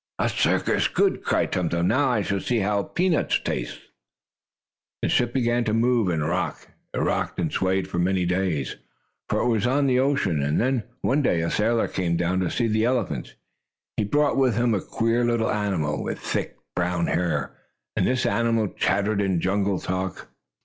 "A circus! Good!" cried Tum Tum. "Now I shall know how a peanut tastes." The ship began to move and rock. It rocked and swayed for many days, for it was on the ocean. And then, one day, a sailor came down to see the elephants. He brought with him a queer little animal, with thick, brown hair. And this animal chattered in jungle talk.